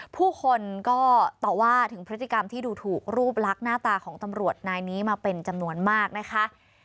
ผู้คนก็ต่อว่าถึงพฤติกรรมที่ดูถูกรูปลักษณ์หน้าตาของตำรวจนายนี้มาเป็นจำนวนมากนะคะ